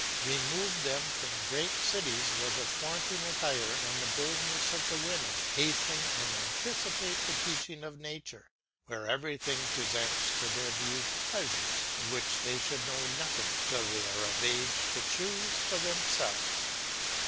Remove them from great cities, where the flaunting attire and the boldness of the women hasten and anticipate the teaching of nature, where everything presents to their view pleasures of which they should know nothing till they are of an age to choose for themselves.